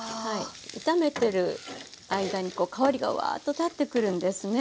炒めてる間に香りがわあっと立ってくるんですね。